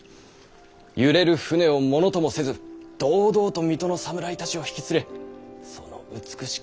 揺れる船をものともせず堂々と水戸の侍たちを引き連れその美しき